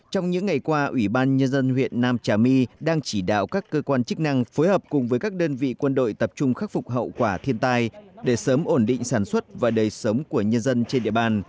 trong những ngày qua ủy ban nhân dân huyện nam trà my đang chỉ đạo các cơ quan chức năng phối hợp cùng với các đơn vị quân đội tập trung khắc phục hậu quả thiên tai để sớm ổn định sản xuất và đời sống của nhân dân trên địa bàn